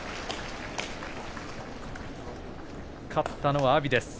勝ったのは阿炎です。